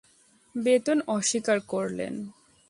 বেতন অস্বীকার করলেন।